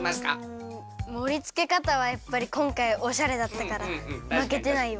うんもりつけかたはやっぱりこんかいおしゃれだったからまけてないよ。